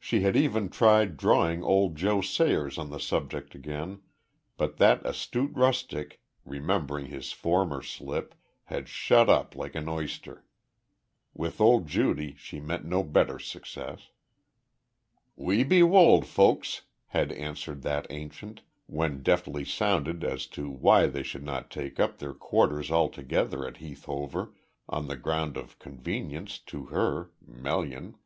She had even tried drawing old Joe Sayers on the subject again, but that astute rustic, remembering his former slip, had shut up like an oyster. With old Judy she met no better success. "We be wold folks," had answered that ancient, when deftly sounded as to why they should not take up their quarters altogether at Heath Hover on the ground of convenience to her Melian.